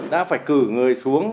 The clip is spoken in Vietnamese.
đã phải cử người xuống